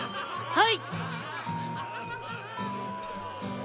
はい？